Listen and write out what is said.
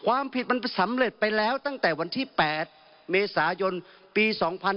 ความผิดมันสำเร็จไปแล้วตั้งแต่วันที่๘เมษายนปี๒๕๕๙